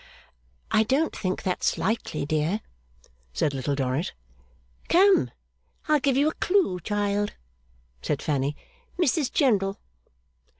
'I don't think that's likely, dear,' said Little Dorrit. 'Come, I'll give you a clue, child,' said Fanny. 'Mrs General.